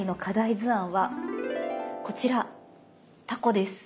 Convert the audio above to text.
図案はこちら「タコ」です。